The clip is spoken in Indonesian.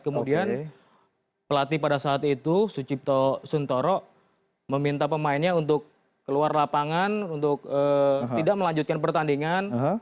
kemudian pelatih pada saat itu sucipto suntoro meminta pemainnya untuk keluar lapangan untuk tidak melanjutkan pertandingan